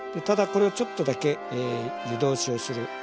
ただこれをちょっとだけ湯通しをする。